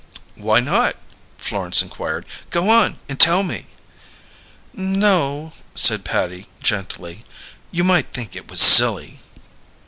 "Why not?" Florence inquired. "Go on and tell me." "No," said Patty gently. "You might think it was silly."